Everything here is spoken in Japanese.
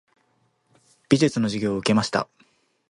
美術の授業を受けました。